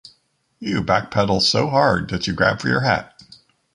You back-pedal so hard that you grab for your hat.